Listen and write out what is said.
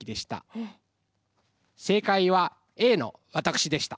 正解はＡの私でした。